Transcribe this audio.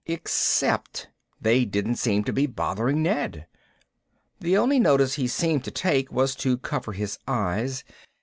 Except they didn't seem to be bothering Ned. The only notice he seemed to take was to cover his eyes.